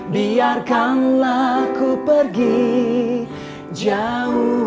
biarkanlah ku pergi jauh